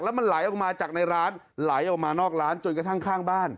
มันไหลออกมาจากในร้านไหลออกมานอกร้านจนกระทั่งข้างบ้าน